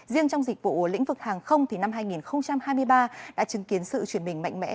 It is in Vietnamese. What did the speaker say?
riêng trong dịch vụ lĩnh vực hàng không thì năm hai nghìn hai mươi ba đã chứng kiến sự chuyển mình mạnh mẽ